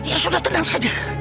ya sudah tenang saja